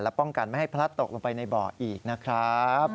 ป้องกันไม่ให้พลัดตกลงไปในบ่ออีกนะครับ